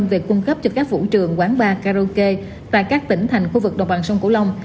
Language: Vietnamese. về cung cấp cho các vũ trường quán bar karaoke tại các tỉnh thành khu vực độc bằng sông cửu long